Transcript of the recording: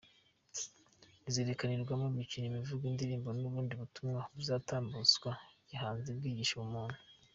Rizerekanirwamo imikino, imivugo, indirimbo n’ubundi butumwa buzatambutswa gihanzi bwigisha ubumuntu .